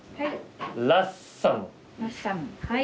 はい。